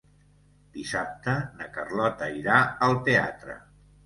Dissabte na Carlota irà al teatre.